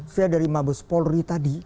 via dari mabes polri tadi